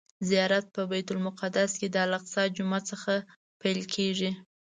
زیارت په بیت المقدس کې د الاقصی جومات څخه پیل کیږي.